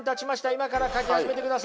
今から描き始めてください。